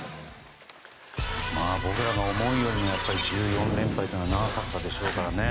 僕らが思うより１４連敗は長かったでしょうからね。